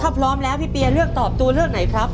ถ้าพร้อมแล้วพี่เปียเลือกตอบตัวเลือกไหนครับ